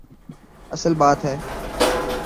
اصل بات ہے۔